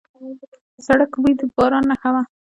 د سړک بوی د باران نښه وه.